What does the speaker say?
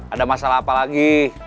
ada masalah apa lagi